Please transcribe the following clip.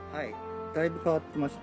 だいぶ変わってまして。